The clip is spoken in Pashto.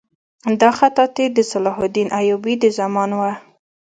دا خطاطي د صلاح الدین ایوبي د زمانې وه.